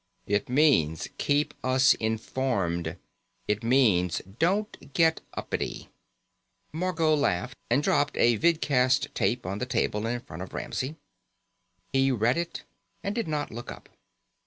"It means keep us informed. It means don't get uppity." Margot laughed and dropped a vidcast tape on the table in front of Ramsey. He read it and did not look up.